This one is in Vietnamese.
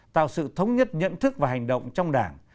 tạo sự thống nhất nhận thức và hành động trong đảng